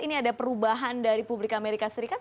ini ada perubahan dari publik amerika serikat